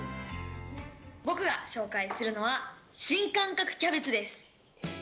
僕が紹介するのは新感覚キャベツです。